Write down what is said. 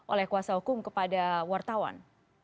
oleh kuasa hukum kepada wartawan